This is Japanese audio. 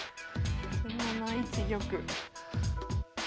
７一玉。